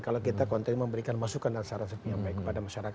kalau kita konten memberikan masukan dan saran sepi yang baik kepada masyarakat